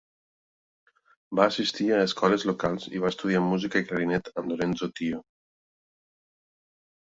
Va assistir a escoles locals i va estudiar música i clarinet amb Lorenzo Tio.